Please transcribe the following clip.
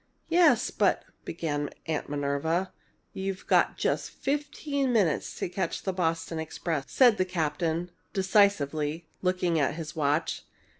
"Yes, but " began Aunt Minerva. "You've got just fifteen minutes to catch the Boston express," said the captain, decisively, looking at his watch.